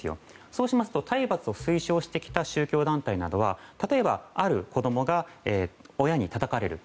そうしますと体罰を推奨してきた宗教団体などは例えば、ある子供が親にたたかれる。